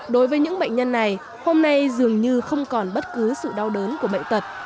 đối với những bệnh nhân này hôm nay dường như không còn bất cứ sự đau đớn của bệnh tật